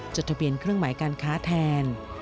จดทะเบียนเครื่องหมายการค้าแทน